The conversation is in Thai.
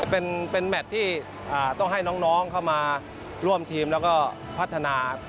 เป็นแมทที่ต้องให้น้องเข้ามาร่วมทีมแล้วก็พัฒนา